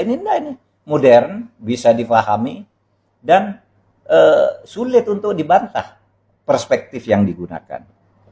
nah ini mudern bisa difahami dan sulit untuk dibantah perspektif yang digunakan